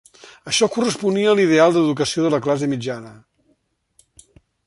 Això corresponia a l'ideal d'educació de la classe mitjana.